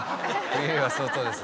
冬は相当ですね。